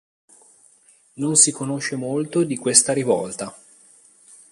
Non si conosce molto di questa rivolta.